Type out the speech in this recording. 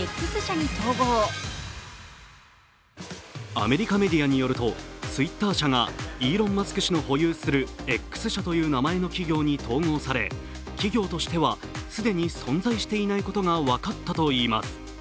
アメリカメディアによるとＴｗｉｔｔｅｒ社がイーロン・マスク氏の保有するＸ社という名前の企業に統合され、企業としては既に存在していないことが分かったといいます。